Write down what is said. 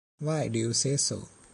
Why do you say so?